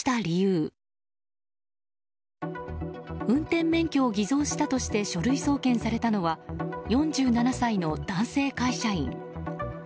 運転免許を偽造したとして書類送検されたのは４７歳の男性会社員。